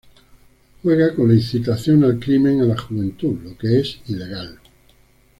Juega con la incitación al crimen a la juventud, lo que es ilegal".